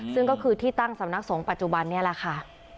ซึ่งก็คือที่ตั้งสำนักสงฆ์ปัจจุบันนี้แหละค่ะ